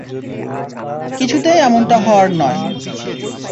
কিছুতেই এমনটা হওয়ার নয়।